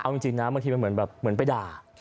เอาจริงนะบางทีมันเหมือนไปด่า